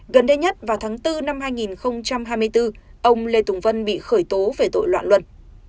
gần đây nhất vào tháng bốn năm hai nghìn hai mươi bốn ông lê tùng vân bị khởi tố về tội loạn luân